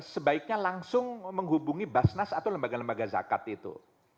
sebaiknya langsung menghubungi basnas atau lembaga lembaga zakat itu